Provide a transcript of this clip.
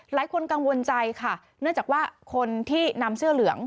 หลายคนกังวลใจค่ะเนื่องจากว่าคนที่นำเสื้อเหลือง